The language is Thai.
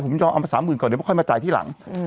ผมยอมเอามาสามหมื่นก่อนเดี๋ยวพอค่อยมาจ่ายที่หลังอืม